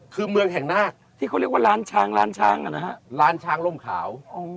คือเมืองแห่งนาคที่เขาเรียกว่าร้านช้างร้านช้างนะฮะร้านช้างร่มขาว